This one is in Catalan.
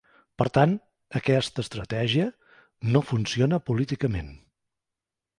Per tant, aquesta estratègia no funciona políticament.